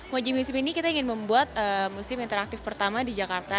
moja museum ini kita ingin membuat museum interaktif pertama di jakarta